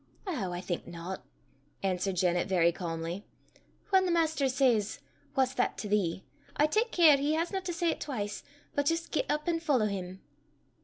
"Ow, I think not," answered Janet very calmly. "Whan the Maister says what's that to thee? I tak care he hasna to say 't twise, but jist get up an' follow him."